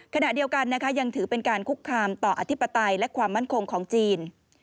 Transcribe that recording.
ขณะเดียวกันนะคะยังถือเป็นการคุกคามต่ออธิปไตยและความมั่นคงของจีน